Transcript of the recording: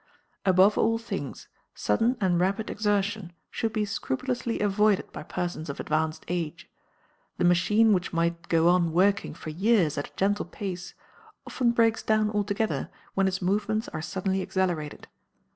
Above all things, sudden and rapid exertion should be scrupulously avoided by persons of advanced age. The machine which might go on working for years at a gentle pace often breaks down altogether when its movements are suddenly accelerated.